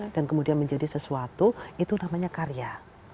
dan kemudian menjadi sesuatu itu namanya karya